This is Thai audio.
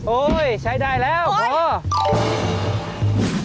โอ๊ยใช้ได้แล้วพอ